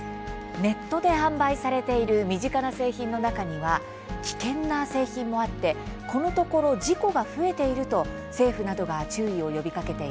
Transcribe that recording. ネットで販売されている身近な製品の中には危険な製品もあってこのところ事故が増えていると政府などが注意を呼びかけています。